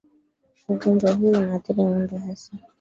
Ugonjwa huu unaathiri ng'ombe hasa